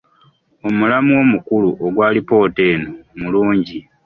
Omulamwa omukulu ogwa alipoota eno mulungi.